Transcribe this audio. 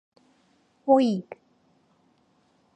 어이!